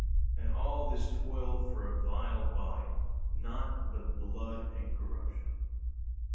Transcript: And all this toil for a vile body, naught but blood and corruption!